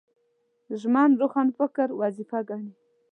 ژمن روښانفکر وظیفه ګڼي